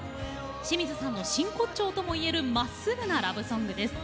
清水さんの真骨頂ともいえるまっすぐなラブソングです。